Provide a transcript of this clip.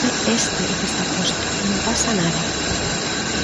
É este o que está posto, non pasa nada.